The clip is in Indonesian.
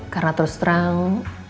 karena terus terang